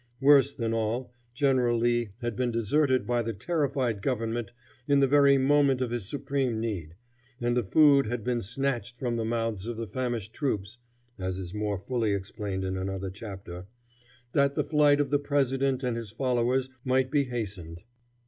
Worse than all, General Lee had been deserted by the terrified government in the very moment of his supreme need, and the food had been snatched from the mouths of the famished troops (as is more fully explained in another chapter) that the flight of the president and his followers might be hastened.